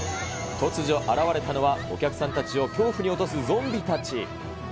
突如現れたのは、お客さんたちを恐怖に落とす、ゾンビたち。